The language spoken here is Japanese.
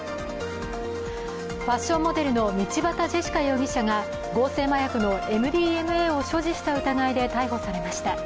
ファッションモデルの道端ジェシカ容疑者が合成麻薬のＭＤＭＡを所持した疑いで逮捕されました。